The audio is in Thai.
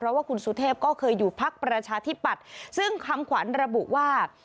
เพราะว่าคุณสุเทพก็เคยอยู่พักประชาธิปัตย์ซึ่งคำขวัญระบุว่า